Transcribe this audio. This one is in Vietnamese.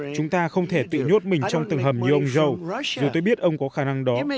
chúng ta không thể tự nhốt mình trong tầng hầm như ông joe dù tôi biết ông có khả năng đó